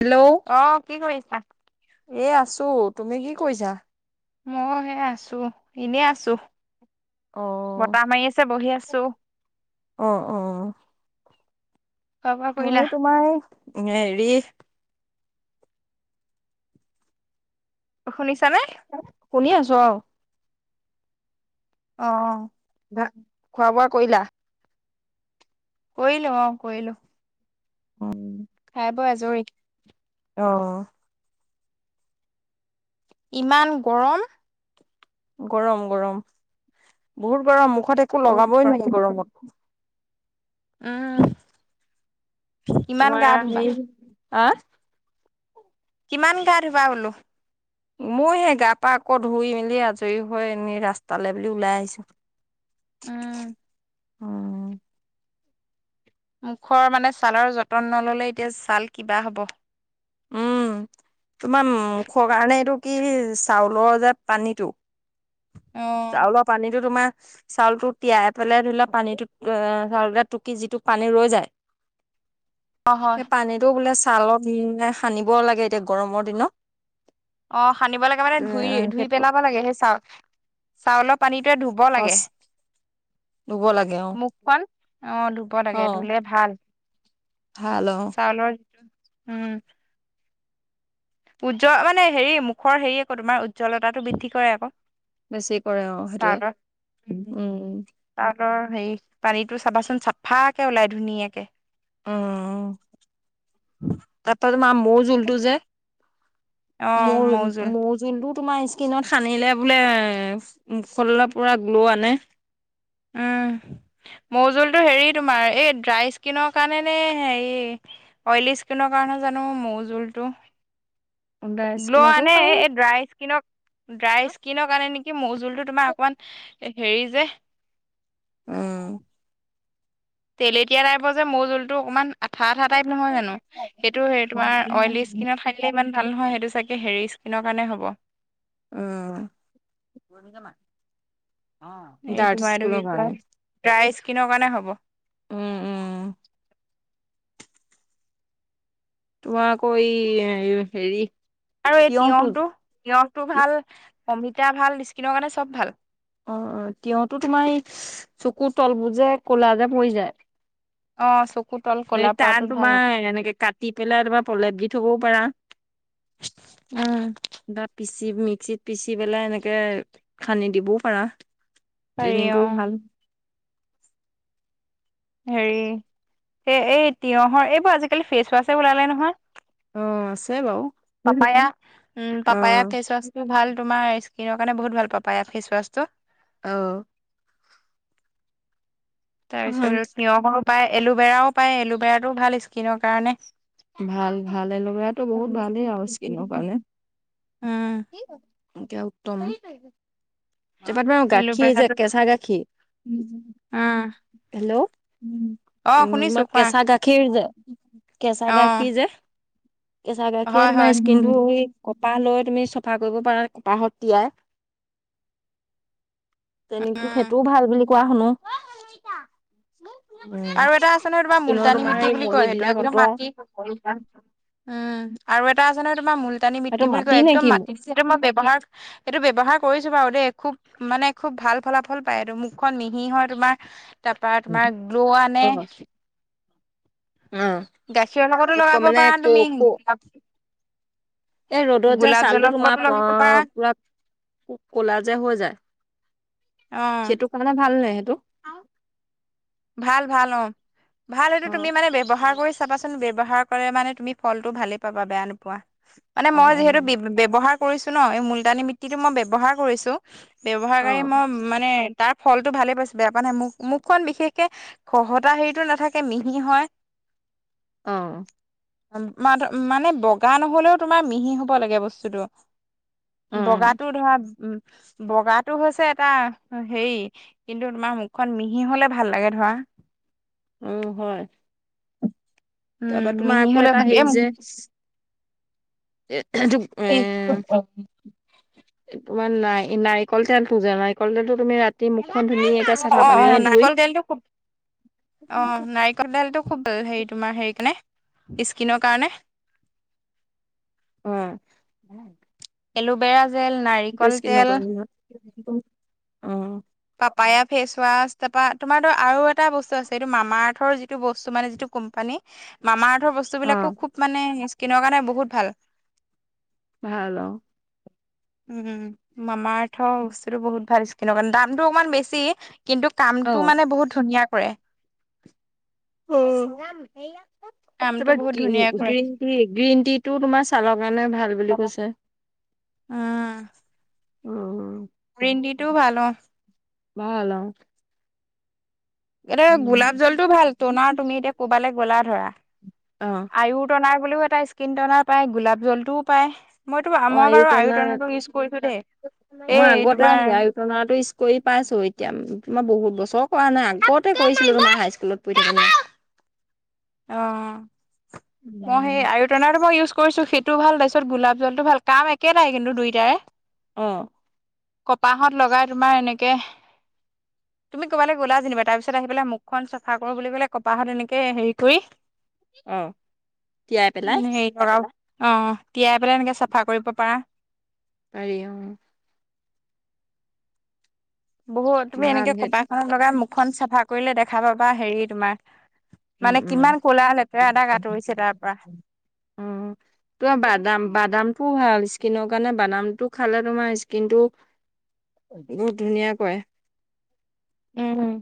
Hello অ কি কৰিছা? এ আছো তুমি কি কৰিছা? মই সে আছো এনে আছো অ বতাহ মাৰি আছে বহি আছো। অ অ। খোৱা বোৱা কৰিলা। নেৰি। শুনিছানে। শুনি আছো অ। অ অ। ভা খোৱা বোৱা কৰিলা। কয়িলো অ কয়িলো। অ [unintelligible] খাই বই আজৰী। অ ইমান গৰম। গৰম গৰম বহুত গৰম মুখত একো বহুত লগাবই নোৱাৰি গৰমত। উমহ! তোমাৰে আমি হাহ। কিমান গা ধোবা বোলো। মই সেই গা পা আকৌ ধুই মেলি আজৰি হৈ এনেই ৰাস্তালৈ বুলি ওলাই আহিছো। উম! উম! মুখৰ মানে ছালৰ যতন নললে এতিয়া ছাল কিবা হ'ব। উম তোমাৰ মুখৰ কাৰণে এইটো কি চাউলৰ যে পানীটো? অ চাউল পানীটো তোমা। চাউলটো তিয়াই পেলাই ধুলে পানীটোত এ এ চাউলকেটা টুকি যিটো পানী ৰৈ যায়! [inaudible] হয় সে পানীটো বোলে ছালত ওম এ সানিব লাগে এতিয়া গৰমৰ দিনত। অ সানিব লাগে মানে এ ধুই ধুই সেইটো পেলাব লাগে সেই চাউ চাউল পানীত। তে ধুব লাগে, খচ ধুব লাগে অ মুখখন। অ ধুব লাগে, অ ধুলে ভাল। ভাল অ চালত উম! উজ্জ্ব মানে হেৰি মুখৰ হেৰি আকৌ তোমাৰ উজ্জ্বলতাটো বৃদ্ধি কৰে আক। বেছি কৰে অ সেইটোৱে উম! অ হেৰি, পানীটো চাবাচোন চাফাকে ওলাই ধুনীয়াকে। উমম! তাপা তোমা মৌ জোলটো যে, অ মৌ মৌজোল মৌ জোলটো। তোমা স্কিনত সানিলে বোলে ফললে পুৰা গ্ল' আনে! উম! মৌ জোলতটো হেৰি তোমাৰ এই ড্ৰাই স্কিনৰ কাৰণে নে, হেৰি অইলী স্কিনৰ কাৰণে? নাজানো মৌ জোলটো। গ্ল' স্কিনতো আনে পাৰি এই ড্ৰাই স্কিনক ড্ৰাই স্কিন আনে নেকি মৌ জোলটো। জোলটো তোমা অকমান হেৰি যে! উম! তেলেতিয়া টাইপ যে মৌ জোলটো অকমান! আঠা আঠা টাইপ নহয় জানো, সেইটো হেৰি তোমাৰ অইলী স্কিনত সানিলে ইমান ভাল নহয় সেইটো চাগে হেৰি স্কিনৰ কাৰণে হ'ব। উম। এই তোমাৰ এইটো কি কয়, ড্ৰাই স্কিনৰ কাৰণে হ'ব। উম, উম। তোমাৰ আকৌ এই হেৰি আৰু এই তিয়হটো তিঁয়হটো, তিঁয়হটো ভাল, অমিতা ভাল স্কিনৰ কাৰণে চব ভাল। অ অ তেওঁতো তোমাৰ এই চকুৰ তলবোৰ যে কলা যে পৰি যায়। অ চকু- তল এ কলা তান পৰাটোত ভাল তোমাৰ এনেকে কাটি পেলাই তোমাৰ পলেপ দি থবও পাৰা। উম বা পিছ- পি মিক্সিত পিচি পেলাই এনেকে খানি দিবও পাৰা পাৰি অ ট্ৰেইনিংও ভাল- হেৰি এই এই তিঁয়হৰ এইবোৰ আজিকালি ফেচ ৱাশছেে ওলালে নহয় অ আছে বাৰু পাপায়া উম অ পাপায়া ফেচ ৱাচ টো ভাল। তোমাৰ স্কিনৰ কাৰণে বহুত ভাল পাপায়া ফেছৱাছটো অ তাৰপিছত তিঁয়হৰো পায় এলোভেৰাও পায় এলোভেৰাটোও ভাল স্কিনৰ কাৰণে। ভাল ভাল এলভেৰাতটো বহুত ভালেই আৰু স্কিনৰ কাৰণে। উম এতিয়া উত্তম তপাত ম গাখীৰ যে, এল'ভেৰাটো কেঁচা গাখীৰ উম হেল্ল', উ অ ম শুনিছো কোৱা কেচা গাখিৰ যে অ কেঁচা গাখীৰ যে কেচা গাখিৰে হয় হয় তোমাৰ স্কিনটো ই কপাহ লৈ তুমি চফা কৰিব পাৰা, কপাহত তিয়াই। তেনেক উম সেইটোও ভাল বুলি কোৱা শুনো। আৰু এটা আছে নহয় তমা স্কিনৰ মুলতানী তোমাৰ মিতি এই বুলি মলি কয় সেইটো বিলাক একদম আঁতৰা মাটি উম- আৰু এটা আছে নহয় তোমাৰ মূল টানী মিটি সেইটো বুলি মাটি কয় নে একদম কি? মাটি সেইটো মই ব্যৱহাৰ সেইটো ব্যয়ৱহাৰ কৰিছো বাৰু- দ খুব মানে খুব ভাল ফলাফল পায় এই মুখখন মিহি হয় তোমাৰ তাৰ পৰাা তোমাৰ- পোৱা অ নে- অ গাখীৰৰ লগতো লগাব মানে পাৰা ক তুমি ক এই ৰ'দত যে গোলাপ জলৰ ছালটো তোমাৰ লগতো প লগাব পাৰা পুৰা কলা যে হৈ যায়। অ সেইটো কাৰণে ভাল নাই সেইটো ভাল ভাল অ ভাল সেইটো অ তুমি মানে ব্যৱহাৰ কৰিছা চাবাচোন ব ব্যৱহাৰ কৰে মানে তুমি ফলতটো ভালে পাবা বেয়া নোপোৱা, মানে অ মই যিহেতু ব ব্যয়ৱহাৰ কৰিছোঁ ন এই মূুলতানী মিট্টিটো মই ব্যৱহাৰ কৰিছোঁ ব্যৱহাৰ অ কৰি মই মানে তাৰ ফলটো ভালে পাইছো বেয়া পোৱা নাই মোক মুখখন বিশেষ। খহতা হেৰিতো নাথাকে মিহি হয়। অ ম মানে বগা নহলেও তোমাৰ মিহি হ'ব লাগে বস্তুটো। বগাটো ধৰা উ বগাটো হৈছে এটা হেৰি কিন্তু তোমাৰ মুখখন মিহি হলে ভাল লাগে। ধৰা অ হয় উম তাৰপৰা তোমাৰ মিহি আকৌ হলে এটা ভালে হেৰি যে এইটো অ এ অ তোমাৰ নাৰি নাৰিকল তেলটো যে নাৰিকল তেলটোো তুমি ৰাতি মুখ অ অ অ নাৰিকল, তেলটো খুব অ নাৰিকল তেলটো খুব ভাল হেৰি তোমাৰ হেৰি কাৰণে স্কিনৰ কাৰণে অ এল'ভেৰা, জেল সেইটো নাৰিকল, স্কিনৰ তেল কাৰণে অ পাপায়য়া ফেচৱাছ তাৰাপা তোমাৰ আৰু এটা বস্তু আছে এইটো মামা আৰ্থৰ যিটো বস্তু মানে যিটো কোম্পানী মামা ধৰৰ বস্তু অ বিলাকু খুব মানে স্কিনৰ কাৰণে বহুত ভাল ভাল অ উম মামাৰ আৰ্থৰ বস্তুতটো বহুত ভাল স্কিনৰৰ কাৰণে দামতটো অকণমান বেছি। কিন্তু অ কামটো মানে বহুত ধুনীয়া কৰে। অ কামটো তাৰপৰা বহুত ধুনীয়া কৰে গ্ৰীণ টি গ্ৰীণ টি টো তোমাৰ ছালৰ কাৰণে ভাল বুলি কৈছে। আহ উ গ্ৰীণ তিটো ভাল অহ। ভাল অহ। এ গোলাপ জলটো ভাল তনা তুমি এতিয়া ক'বালৈ গ'লা ধৰা অ অ আয়ু টনাৰ বুলিও এটা স্কিন টনাৰ পায়, গোলাপ জলটোও পায়। মইতো মই বাৰু আয়ুপনা আয়ুতন ইউজ কৰিছো দেই। মই এই আগতে তোমাৰ আয়ুটনাটো উছ কৰি পাইছো এতিয়া। তোমাৰ বহুত বছৰ কৰা নাই আগতে কৰিছিলো মানে হাই স্কুলত পঢ়ি থাকোঁতে। অ মই সেই আয়ুটনা মই ইউজ কৰিছো সেইটো ভাল, তাৰপিছত গোলাপ জল টো ভাল কাম একেটাই কিন্তু দুইটাৰে। অ কপাহত লগাই তোমাৰ এনেকে তুমি ক'ৰবালৈ গ'লা যেনিবা তাৰ পিছত আহি পেলাই মুখখন চাফা কৰো বুলি কলে কপাহত এনেকে হেৰি কৰি অহ তিয়াই পেলাই হেৰি লগাও অ তিয়াই পেলাই এনেকে চাফা কৰিব পাৰা। পাৰি অহ বহুত তুমি ভাল এনেকে সেই কপালখনত লগা মুখখন চাফা কৰিলে দেখা পাবা হেৰি তোমাৰ উম মানে উম কিমান ক'লা লেতেৰা দাগ আঁতৰিছে তাৰ পৰা। তো বাদাম বাদাম ভাল স্কিনৰ কাৰণে বাদামটো খালে তোমাৰ স্কিন টো বহুত ধুনীয়া কয়ে। উহুম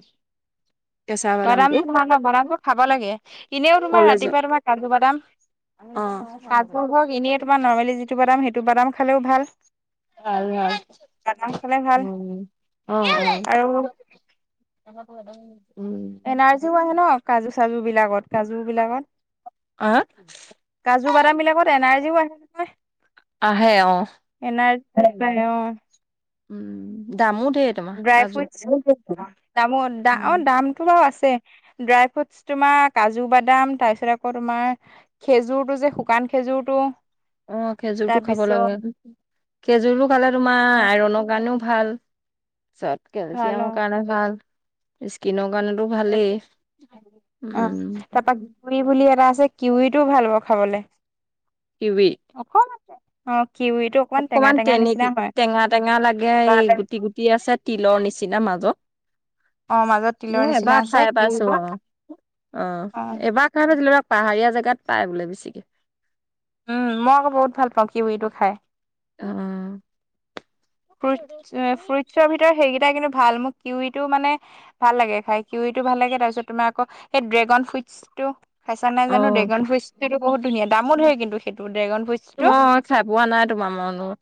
তেছ বাদামটো ভাল অ বাদামটো খাব লাগে, এনেও তোমাৰ কলেজত ৰাতিপুৱা তোমাৰ কাজু বাদাম অ কাজু সক এনেয় তোমাৰ নৰ্মেলি যিটো বাদাম সেইটো বাদাম খালেও ভাল। আৰু বাদাম খালে ভাল উম অ আৰু অ [inaudible] এনাৰ্জি আহে ন কাজু চাজু বিলাকত। কাজু অ বিলাকত কাজু বাদাম বিলাকত এনাৰ্জিও আহে নহয়। আহে অ তাকে অহ উম দামো ধেৰ তোমাৰ ড্ৰাই কাজু ফুড দামো আদা উম দামটো বাৰু আছে। ড্ৰাই ফুড তোমাৰ কাজু বাদাম তাৰপিছত আকৌ তোমাৰ খেজুৰতটো যে শুকান খেজুৰতো অ খেজুৰটো খাব লাগে, খেজুৰটো খালে তোমাৰ অ' আইৰনৰ কাৰণেও ভাল। চা ভাল কেলচিয়াম অ কাৰনেও ভাল স্ক্ৰীনৰ ফেচবুক অহ উম তাপা ঘী বুলি এটা কিউৰীটো ভাল হ'ব খাবলে, কিৱি অসম অ কিউৰিটো টেঙা অকমান টেঙা নিচিনা তেনেকি হয় টেঙা টেঙা লাগে এই গুটি গুটি আছে তিলৰ নিচিনা মাজঅ অ মাজত তিলৰ মই নিচিনা এবাৰ আছে খাই পাইছো কিউৰিটো অ অ অ এবাৰ খাই পাইছিলোঁ, পাহাৰীয়া জেগাত পাই বোলে বেছিকে। উম মই আকৌ বহুত ভাল পাওঁ কিউৰিটো খাই। উ উম ফ্ৰুট ফ্ৰুটছৰ ভিতৰত সেইকেই কিন্তু ভাল, মোক কিউৰিটো মানে ভাল লাগে খাই, কিউৰিত ভাল লাগে তাৰ পিছত তোমাৰ আকৌ ড্ৰেগন ফ্ৰুট ফুইটো, খাইচা নাই অ জানো ড্ৰেগন ফ্ৰুটটো বহুত ধুনীয়া, দামো ধেই হয় কিন্তু সেইটো ড্ৰেগন ফ্ৰুইটছটো তোমাৰ খাই পোৱা নাই তোমাৰ,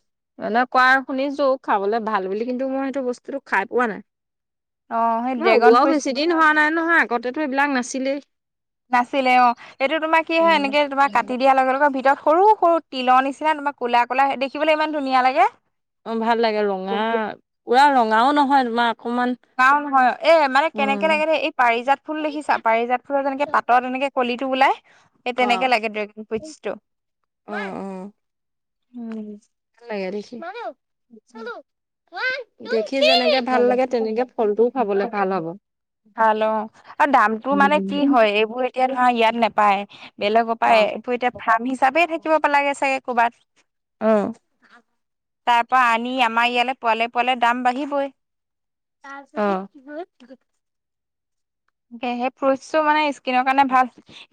এনে কোৱা শুনিছো খাবলৈ ভাল বুলি, কিন্তু মই সেইটো বস্তুটো খাই পোৱা অ সেই নাই। ড্ৰেগন ওলোৱাও বেছি ফ্ৰুইটছটো দিন ভাল হোৱা হয় নাই নহয় আগতেতো এইবিলাক নাছিলেই। নাছিলে অ' এইটো তোমাৰ কি হয় এনেকে তোমাৰ কাটি দিয়াৰ লগে লগে ভিতৰত সৰু-সৰু তিলৰ নিচিনা তোমাৰ ক'লা-ক'লা দেখিবলৈ ইমান ধুনীয়া লাগে। অ' ভাল লাগে ৰঙা পুৰা ৰঙাও নহয় তোমাৰ অকমান নাও নহয় এ মানে কেনেকে উম লাগে দে, এই পাৰিজাত ফুল দেখিছা পাৰিজাত ফুলৰ যেনেকে পাতত এনেকে কলি এই অ তেনেকে লাগে ড্ৰেগন ফ্ৰুটচ টো লিখি, চালোঁ ঊৱান, টু সি, যেনেকে ভাল লাগে তেনেকে ফলটোও খাবলে ভাল হ'ব। ভাল অ, আৰু দামতটো মানে কি হয় এইবোৰ এতিয়া ধৰা ইয়াত নাপায় বেলেগৰ অ পৰায় এই বো এতিয়া ফাৰ্ম হিচাপে থাকিব পে লাগে চাগে ক'ৰবাত। উম' তাৰ পৰা আনি, আমাৰ ইয়ালৈ পোৱালে পোৱালে দাম বাঢ়িবই। অহ' ত সেই ফ্ৰুটটো মানে স্কিনৰ কাৰণে ভাল,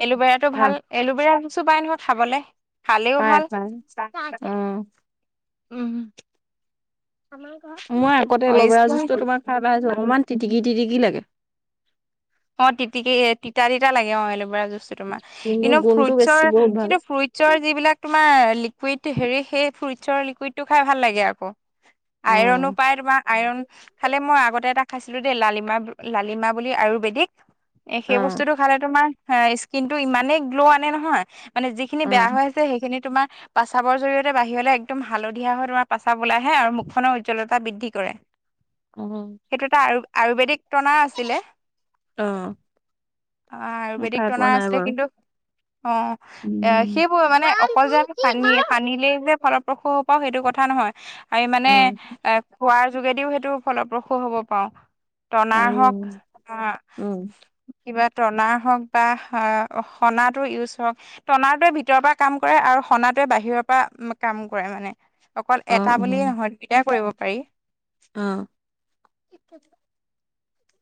এলোভেৰাতটো অ ভাল এলোভেৰা চো পাই নহয় খাবলৈ পায় পায় উম' উম' মই আগতে অ এলবেৰা যুজটো স্কিন তোমাক খাই পাইছো অলমান তিটিকি তিটিকি লাগে। অ তিটিকি এ তিতা তিতা লাগে অ এলবেৰা তোমাৰ কিন্তু গুণটো বেছি ফ্ৰুটৰ বহুত ভাল কিন্তু ফ্ৰুইটৰ যিবিলাক তোমাৰ লিকুইড হেৰি, সেই ফ্ৰুটছৰ লিকুইডটো খাই ভাল লাগে আকৌ। অ আইৰনো পাই তোমাৰ আইৰন, খালি মই আগতে এটা খাইছিলো দেই লালিমাহ, লালিমাহ বুলি আয়ুৰ বেদিক এ অ সেই বস্তুটো খালে তোমাৰ স্কিন টো ইমানেই গ্ল' আনে নহয়। মানে যিখিনি বেয়া হৈ আছে সেইখিনি তোমাৰ প্ৰস্ৰাৱৰ জৰিয়তে বাহিৰলৈ একদম হালধীয়া হৈ তোমাৰ প্ৰস্ৰাৱ ওলাই আহে, আৰু মুখনৰ উজ্জ্বলতা বৃদ্ধি কৰে। অ অ সেইটো এটা আয়ুৰ্বেদিক টনাৰ আছিলে। অহ' অ আয়ুৰ্বেদিক টনাৰ আছিলে কিন্তু অ এ উম সেইবোৰ মানে অকল যে আমি সানিয়ে সানিলেই যে ফলৰ স পাওঁ সেইটো কথা নহয় আমি অ মানে এ খোৱাৰ যোগেদিও সেইটো ফলপ্ৰসূ হ'ব পাৰো। টনাৰ পাৰো হওক আহ উম' কিবা টনাৰ হওক বা সনাটোৰ ইউজ হওক, টনাৰটোৱে ভিতৰৰ পৰা কাম কৰে আৰু সনাতোৱে বাহিৰৰ পৰা কাম কৰে মানে। অকল অ এটা অ বুলিয়ে নহয় দুয়োটাই কৰিব পাৰি। অ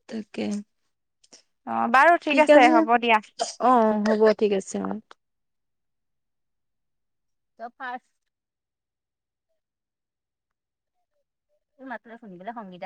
তাকে। অ', বাৰু ঠিক আছে, হ'ব দিয়া। অ হ'ব ঠিক আছে অ। ত ফাষ্ট। ই মাত টো যে শুনিবলে সংগীতা